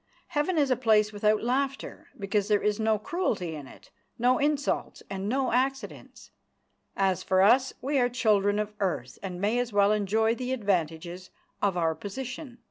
Heaven is a place without laughter because there is no cruelty in it no insults and no accidents. As for us, we are children of earth, and may as well enjoy the advantages of our position.